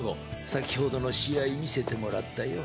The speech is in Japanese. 先ほどの仕合見せてもらったよ。